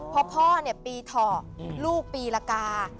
เพราะพ่อปีเถาะลูกปีละกา